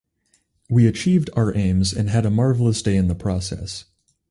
We achieved our aims and had a marvellous day in the process.